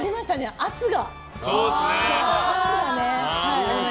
圧が。